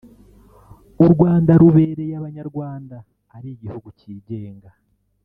‘U Rwanda rubereye Abanyarwanda ari igihugu cyigenga